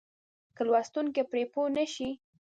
که لوستونکی پرې پوه نه شي.